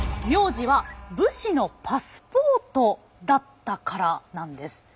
「名字」は武士のパスポートだったからなんです。